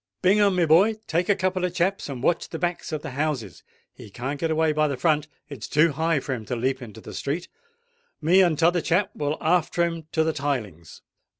"Bingham, my boy, take a couple of chaps, and watch the backs of the houses: he can't get away by the front—it's too high for him to leap into the street. Me and t'other chap will after him to the tilings."